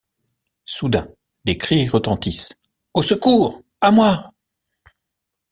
Soudain, des cris retentissent: « Au secours! à moi !